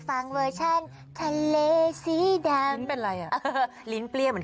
ส่งใจ